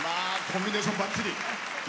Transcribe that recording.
コンビネーションばっちり。